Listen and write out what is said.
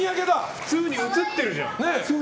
普通に映ってるじゃん。